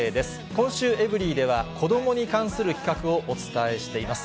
今週、エブリィでは子どもに関する企画をお伝えしています。